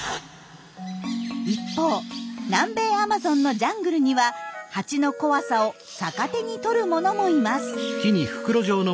一方南米アマゾンのジャングルにはハチの怖さを逆手に取るものもいます。